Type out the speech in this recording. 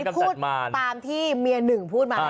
อันนี้พูดตามที่เมียหนึ่งพูดมา